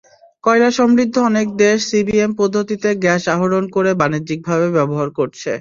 কয়লাসমৃদ্ধ অনেক দেশ সিবিএম পদ্ধতিতে গ্যাস আহরণ করে বাণিজ্যিকভাবে ব্যবহার করছে।